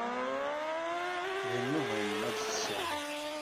D nnuba-nnem ad d-tessiwled.